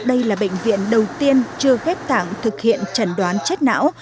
đây là bệnh viện đầu tiên chưa ghép tạng thực hiện trần đoán chết não